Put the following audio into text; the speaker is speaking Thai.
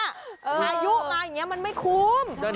พายุมาอย่างนี้มันไม่คุ้ม